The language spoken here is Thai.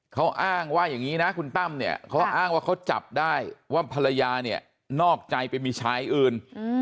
เขาอ้างว่าอย่างนี้นะคุณตั้มเนี่ยเขาอ้างว่าเขาจับได้ว่าภรรยาเนี่ยนอกใจไปมีชายอื่น